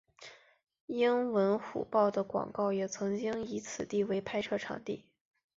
英文虎报的广告也曾经以此为拍摄场地。